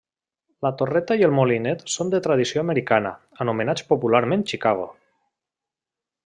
La torreta i el molinet són de tradició americana, anomenats popularment Chicago.